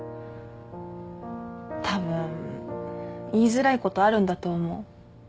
たぶん言いづらいことあるんだと思う。